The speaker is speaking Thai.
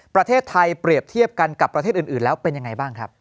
ประเทศไทยเปรียบเทียบกันกับประเทศอื่นแล้วเป็นยังไงบ้างครับ